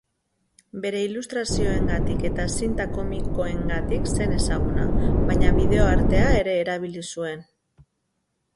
Bere ilustrazioengatik eta zinta komikoengatik zen ezaguna, baina bideoartea ere erabili zuen.